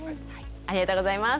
ありがとうございます。